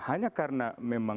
nah hanya karena memang dua orang